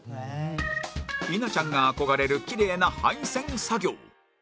稲ちゃんが憧れるキレイな配線作業